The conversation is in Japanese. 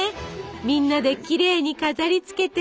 みんなできれいに飾りつけて。